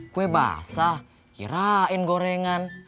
kue basah kirain gorengan